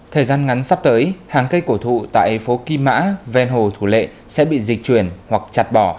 thời gian ngắn sắp tới hàng cây cổ thụ tại phố kim mã ven hồ thủ lệ sẽ bị dịch chuyển hoặc chặt bỏ